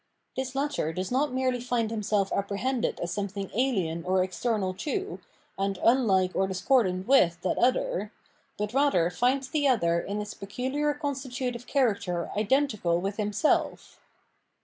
This latter does not merely find himself apprehended as something alien or external to, and unlike or discordant with that other : but rather finds the other in its peculiar constitutive character identical with himself.